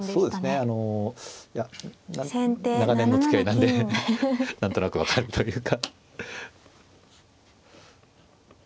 あのいや長年のつきあいなんで何となく分かるというか。